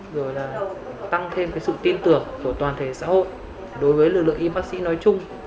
rồi là tăng thêm sự tin tưởng của toàn thể xã hội đối với lực lượng y bác sĩ nói chung